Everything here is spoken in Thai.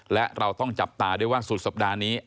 และเราต้องจับตาด้วยว่าสุดสัปดาห์นี้